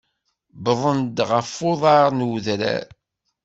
Wwḍen-d ɣef uḍar n udrar.